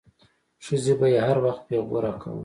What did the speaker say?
ښځې به يې هر وخت پيغور راکاوه.